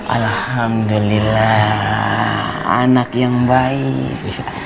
alhamdulillah anak yang baik